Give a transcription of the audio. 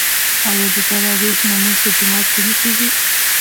آیا د تراويح لمونځ په جومات کې نه کیږي؟